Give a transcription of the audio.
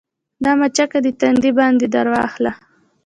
دا مچکه دې تندي باندې درواخله